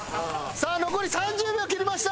さあ残り３０秒切りました。